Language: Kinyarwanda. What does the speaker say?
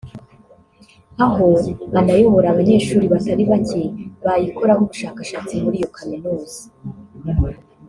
aho anayobora abanyeshuri batari bake bayikoraho ubushakashatsi muri iyo Kaminuza